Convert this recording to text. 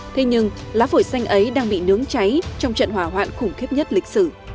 thế nhưng lá phổi xanh ấy đang bị nướng cháy trong trận hỏa hoạn khủng khiếp nhất lịch sử